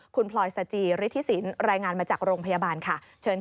คุณพลอยสจิฤทธิสินรายงานมาจากโรงพยาบาลค่ะเชิญค่ะ